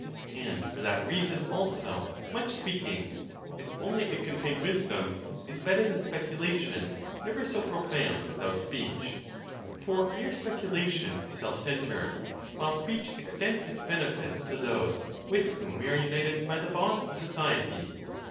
And for that reason also much speaking (if only it contain wisdom) is better than speculation never so profound withbut speech; for mere speculation is self centred, while speech extends its benefits to those with whom we are united by the bonds of society.